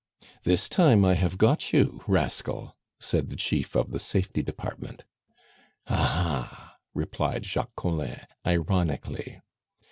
"This time I have got you, rascal!" said the chief of the Safety Department. "Ah, ha!" replied Jacques Collin ironically.